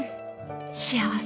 幸せ！